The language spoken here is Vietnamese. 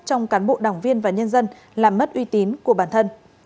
trong cán bộ đảng viên và nhân dân làm mất uy tín của bản thân